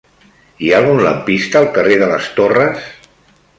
Hi ha algun lampista al carrer de les Torres?